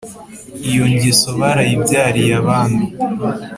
Iyo ngeso barayibyariye abami